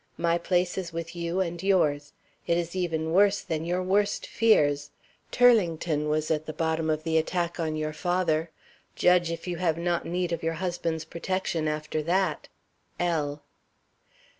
My place is with you and yours. It is even worse than your worst fears. Turlington was at the bottom of the attack on your father. Judge if you have not need of your husband's protection after that! L."